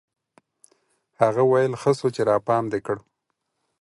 هغه ويل ښه سو چې راپام دي کړ.